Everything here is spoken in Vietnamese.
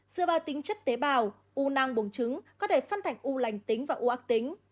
giữa ba tính chất tế bào u năng buồng trứng có thể phân thành u lành tính và u ác tính